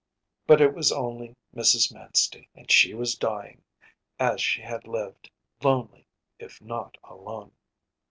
‚ÄĚ But it was only Mrs. Manstey; and she was dying, as she had lived, lonely if not alone.